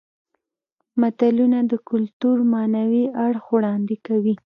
متلونه د کولتور معنوي اړخ وړاندې کوي